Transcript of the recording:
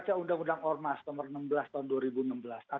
apakah ini akan menyalahi aturan atau skb enam menteri yang sudah diputuskan